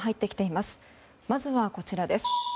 まずはこちらです。